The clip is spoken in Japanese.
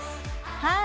はい！